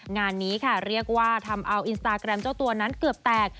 งานนี้ค่ะเรียกว่าทำเอาอินสตาแกรมเจ้าตัวนั้นเกือบแตก